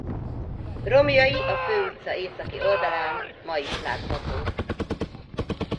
Romjai a főutca északi oldalán ma is láthatók.